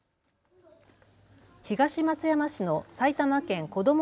東松山市の埼玉県こども